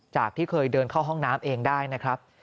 ที่เคยเดินเข้าห้องน้ำเองได้นะครับ